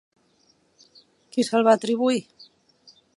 Qui se'l va atribuir?